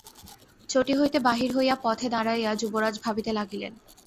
চটি হইতে বাহির হইয়া পথে দাঁড়াইয়া যুবরাজ ভাবিতে লাগিলেন।